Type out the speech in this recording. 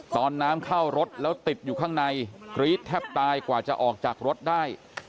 ตอนน้ำเข้ารถแล้วติดอยู่ข้างในกรี๊ดแทบตายกว่าจะออกจากรถได้